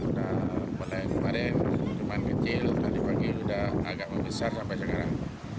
sudah mulai kemarin cuman kecil tadi pagi sudah agak membesar sampai sekarang